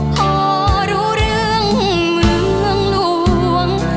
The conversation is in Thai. พอรู้เรื่องเมืองหลวง